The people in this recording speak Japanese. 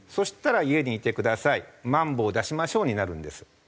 したら「家にいてください」「まん防出しましょう」になるんです。